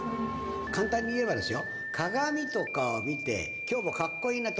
簡単にいえばですよ。